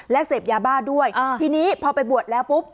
และเสพยาบ้าด้วยทีนี้พอไปบวชแล้วปุ๊บ